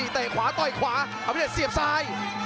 เตะขวาต่อยขวาอภิเดชเสียบซ้าย